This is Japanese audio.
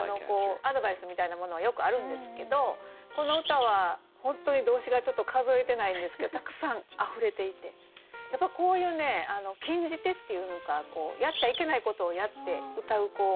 アドバイスみたいなものはよくあるんですけどこの歌は本当に動詞がちょっと数えてないんですけどたくさんあふれていてやっぱこういうね禁じ手っていうのかやっちゃいけないことをやってうたう。